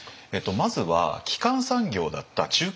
まずは基幹産業だった中継